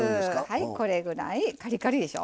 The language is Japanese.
これぐらいカリカリでしょ。